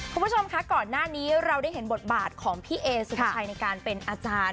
คุณผู้ชมคะก่อนหน้านี้เราได้เห็นบทบาทของพี่เอสุภาชัยในการเป็นอาจารย์